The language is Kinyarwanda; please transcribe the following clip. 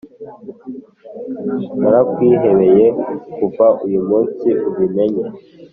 Narakwihebeye kuva uyu munsi ubimenye